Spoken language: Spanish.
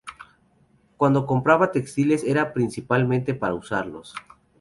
Cuando compraba textiles era, principalmente para usarlos.